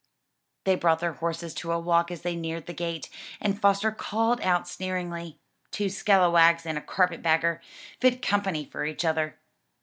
They brought their horses to a walk as they neared the gate, and Foster called out sneeringly, "Two scalawags and a carpet bagger! fit company for each other."